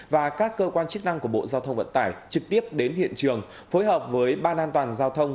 và các cơ quan chức năng của bộ giao thông vận tải trực tiếp đến hiện trường phối hợp với ban an toàn giao thông